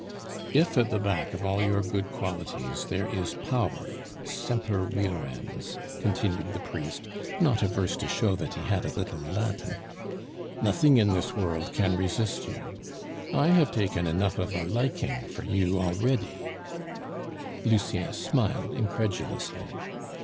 "If at the back of all your good qualities there is power semper virens," continued the priest, not averse to show that he had a little Latin, "nothing in this world can resist you. I have taken enough of a liking for you already " Lucien smiled incredulously.